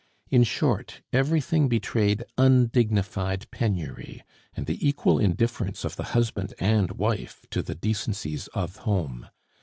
In short, everything betrayed undignified penury, and the equal indifference of the husband and wife to the decencies of home.